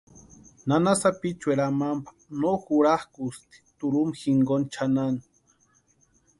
Nana sapichueri amampa no jurakʼusti turhumpa jinkoni chʼanani.